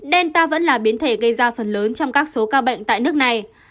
delta vẫn là biến thể gây ra phần lớn trong các số ca bệnh tại nước này